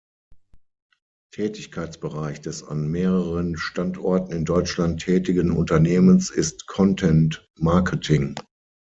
Tätigkeitsbereich des an mehreren Standorten in Deutschland tätigen Unternehmens ist Content Marketing.